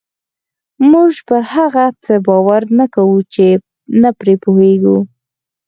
موږ پر هغه څه باور نه کوو چې نه پرې پوهېږو.